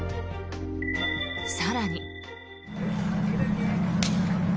更に。